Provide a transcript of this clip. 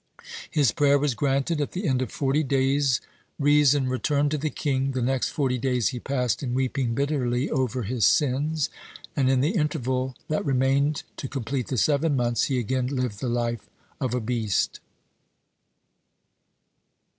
His prayer was granted. At the end of forty days reason returned to the king, the next forty days he passed in weeping bitterly over his sins, and in the interval that remained to complete the seven months he again lived the life of a beast.